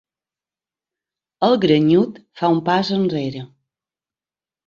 El grenyut fa un pas enrere.